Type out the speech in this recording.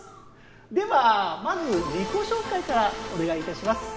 ではまず自己紹介からお願いいたします。